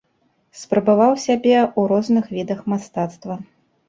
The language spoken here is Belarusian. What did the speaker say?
Спрабаваў сябе ў розных відах мастацтва.